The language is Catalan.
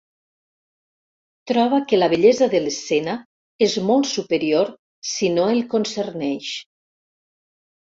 Troba que la bellesa de l'escena és molt superior si no el concerneix.